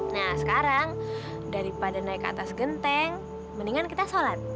nah sekarang daripada naik ke atas genteng mendingan kita sholat